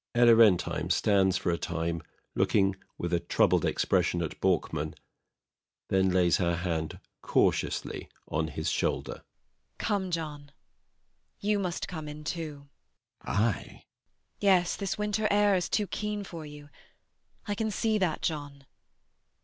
ELLA RENTHEIM. [Stands for a time looking with a troubled expression at BORKMAN; then lays her hand cautiously on his shoulder.] Come, John you must come in, too. BORKMAN. [As if wakening.] I? ELLA RENTHEIM. Yes, this winter air is too keen for you; I can see that, John.